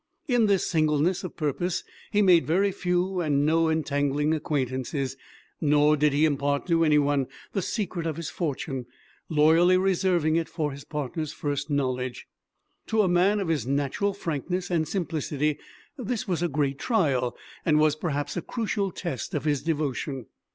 In this singleness of purpose he made very few and no entangling acquaintances, nor did he impart to any one the secret of his fortune, loyally reserving it for his partner's first knowledge. To a man of his natural frankness and simplicity this was a great trial, and was, perhaps, a crucial test of his devotion.